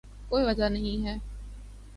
کوئی وجہ نہیں ہے۔